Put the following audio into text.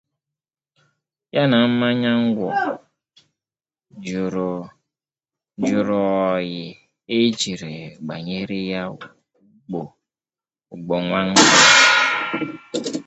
ya na mmanya ngwọ jụrụ oyi e jiri gbanyere ya ụgbọ nwamkpi.